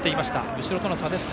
後ろとの差ですね。